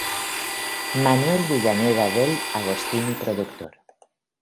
Manuel Villanueva Dell Agostini productor